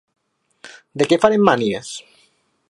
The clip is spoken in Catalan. De què farem mànigues?